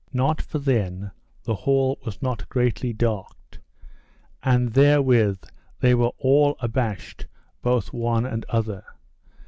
Not for then the hall was not greatly darked; and therewith they were all abashed both one and other.